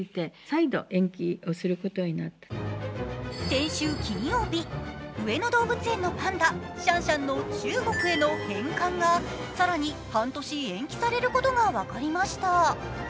先週金曜日、上野動物園のパンダ、シャンシャンの中国への返還が更に半年延期されることが分かりました。